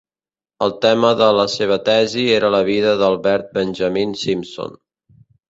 El tema de la seva tesi era la vida d'Albert Benjamin Simpson.